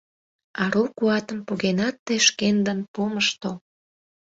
Ару куатым погенат тый шкендын помышто.